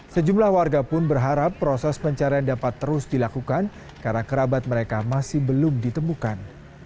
sejumlah warga pun berharap proses pencarian dapat terus dilakukan karena kerabat mereka masih belum ditemukan